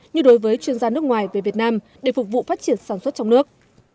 như đối với chuyên gia nước ngoài về việt nam để phục vụ phát triển sản xuất trong nước